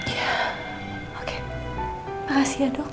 ya oke makasih ya dok